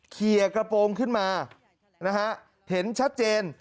เคลียร์กระโปรงขึ้นมานะฮะเห็นชัดเจน